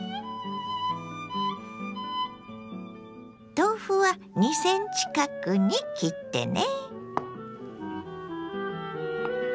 豆腐は２ｃｍ角に切ってね。